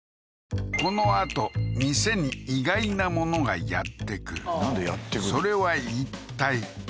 このあと店に意外なものがやってくるそれはいったい？